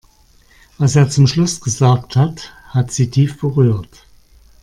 Was er zum Schluss gesagt hat, hat sie tief berührt.